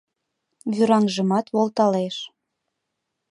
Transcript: Вӱраҥжымат волталеш.